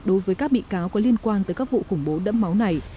đối với các bị cáo có liên quan tới các vụ khủng bố đẫm máu này